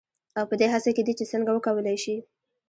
او پـه دې هـڅـه کې دي چـې څـنـګه وکـولـى شـي.